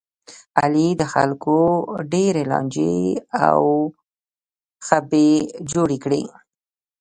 علي د خلکو ډېرې لانجې او خبې جوړې کړلې.